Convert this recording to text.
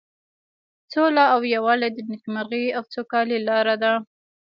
سوله او یووالی د نیکمرغۍ او سوکالۍ لاره ده.